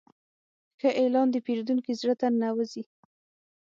ښه اعلان د پیرودونکي زړه ته ننوځي.